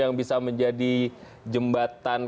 yang bisa menjadi jembatan